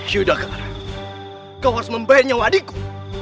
sudahkah kau harus membayar nyawa adikku